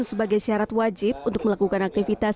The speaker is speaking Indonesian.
sebagai syarat wajib untuk melakukan aktivitas